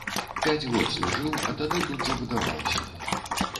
Пяць год служыў, а тады тут забудаваўся.